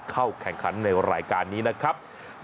เข้าแข่งขันในรายการนี้นะครับ